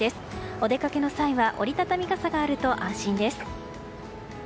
お出かけの際は折り畳み傘があると安心です。